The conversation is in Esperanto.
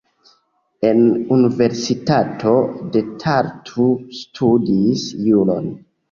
En Universitato de Tartu studis juron.